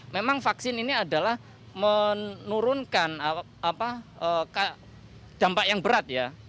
memang vaksin ini adalah menurunkan dampak yang berat ya